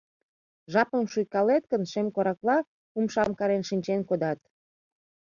Жапым шуйкалет гын, шем коракла умшам карен шинчен кодат.